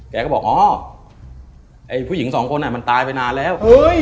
แกก็บอกอ๋อไอ้ผู้หญิงสองคนมันตายไปนานแล้ว